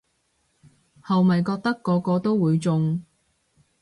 後咪覺得個個都會中